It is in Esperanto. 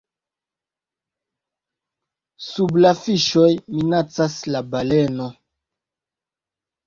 Sub la Fiŝoj, minacas la Baleno.